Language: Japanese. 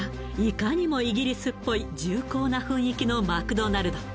いかにもイギリスっぽい重厚な雰囲気のマクドナルド